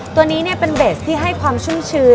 ตัวนี้เป็นเบสที่ให้ความชุ่มชื้น